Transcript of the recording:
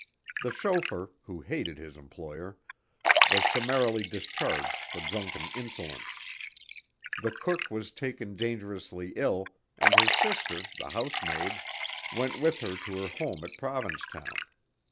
The chauffeur, who hated his employer, was summarily discharged for drunken insolence. The cook was taken dangerously ill and her sister, the housemaid, went with her to her home at Provincetown.